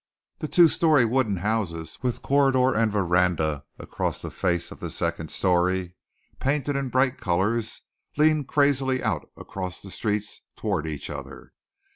The two story wooden houses with corridor and veranda across the face of the second story, painted in bright colours, leaned crazily out across the streets toward each other.